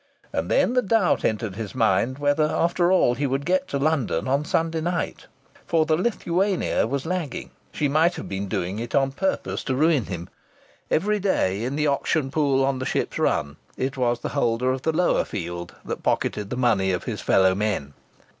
And then the doubt entered his mind whether after all he would get to London on Sunday night. For the Lithuania was lagging. She might have been doing it on purpose to ruin him. Every day, in the auction pool on the ship's run, it was the holder of the lower field that pocketed the money of his fellow men.